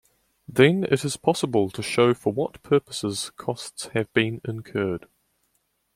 Then it is possible to show for what purposes costs have been incurred.